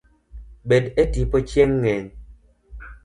Bed e tipo chieng' ng'eny